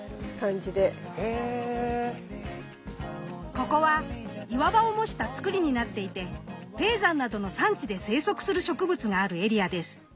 ここは岩場を模したつくりになっていて低山などの山地で生息する植物があるエリアです。